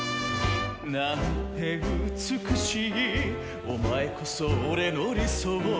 「なんて美しいお前こそ俺の理想」